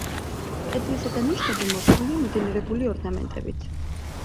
კედლის ზედა ნიშები მორთულია მოდელირებული ორნამენტებით.